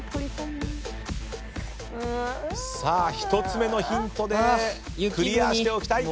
１つ目のヒントでクリアしておきたい。